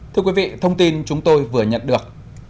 thưa quý vị thông tin chúng tôi vừa nhận được